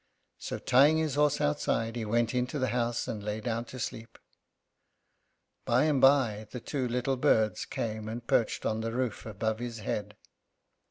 So, tying his horse outside, he went into the house and lay down to sleep. By and by, the two little birds came and perched on the roof above his head.